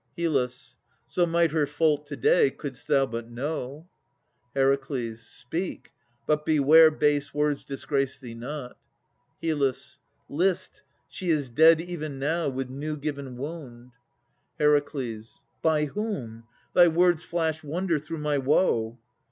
HYL. So might her fault to day, couldst thou but know. HER. Speak, but beware base words disgrace thee not. HYL. List! She is dead even now with new given wound. HER. By whom? Thy words flash wonder through my woe.